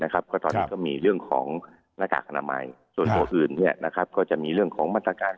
ก็ตอนนี้ก็มีเรื่องของหน้ากากอนามัยส่วนตัวอื่นก็จะมีเรื่องของมาตรการ